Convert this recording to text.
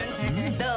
どう？